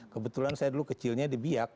kebetulan saya dulu kecilnya di biak